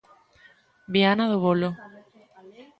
Viana do Bolo.